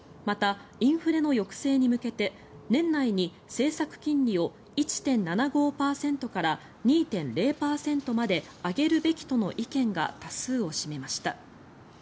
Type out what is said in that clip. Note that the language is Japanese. また、インフレの抑制に向けて年内に政策金利を１．７５％から２．０％まで上げるべきとの意見が多数を占めました。